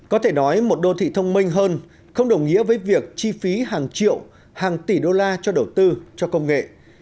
có thể nói một đô thị thông minh hơn không đồng nghĩa với việc chi phí hàng triệu hàng tỷ đô la cho đầu tư cho công nghệ